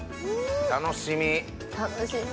楽しみ。